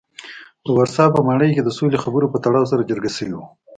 د ورسا په ماڼۍ کې د سولې خبرو په تړاو سره جرګه شوي وو.